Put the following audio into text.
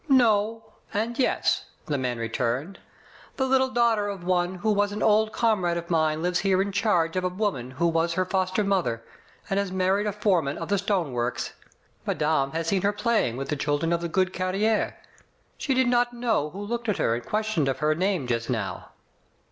"No and yes, the man returned. "The little daughter of one who was an old comrade of mine lives here in charge of a woman who was her foster mother, and has married a foreman of the stone works. Madame has seen her playing with the children of the good carrier. She did not know who looked at her and questioned of her name just now.